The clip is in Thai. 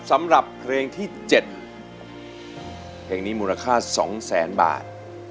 สำหรับเพลงที่๗เพลงนี้มูลค่า๒แสนบาท